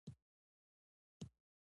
هرات د افغانستان د بڼوالۍ یوه برخه ده.